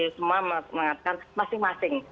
semua mengatakan masing masing